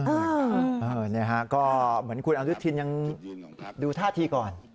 เออนี่ค่ะก็เหมือนคุณอัลยุทธินยังดูท่าทีก่อน